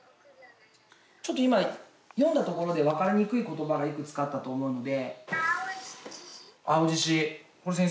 ちょっと今、読んだところで分かりにくいことばがいくつかあったと思うんで。